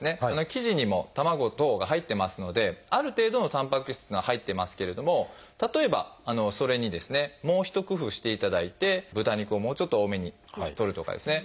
生地にも卵等が入ってますのである程度のたんぱく質っていうのは入ってますけれども例えばそれにですねもう一工夫していただいて豚肉をもうちょっと多めにとるとかですね